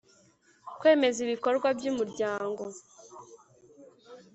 kwemeza ibikorwa by Umuryango